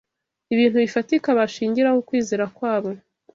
ibintu bifatika bashingiraho ukwizera kwabo.